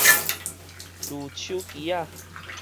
攄手機仔